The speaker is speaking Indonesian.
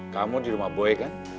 kamu di rumah boy kan